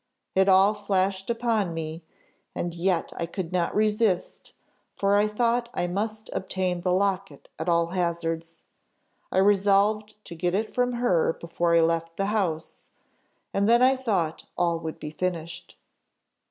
It all flashed upon me, and yet I could not resist, for I thought I must obtain the locket at all hazards. I resolved to get it from her before I left the house, and then I thought all would be finished.